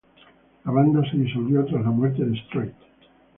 La banda se disolvió tras la muerte de Strait.